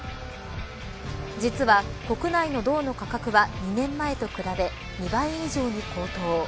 実は国内の銅の価格は２年前と比べ２倍以上に高騰。